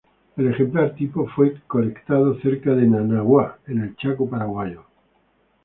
El ejemplar tipo fue colectado cerca de Nanawa, en el Chaco paraguayo.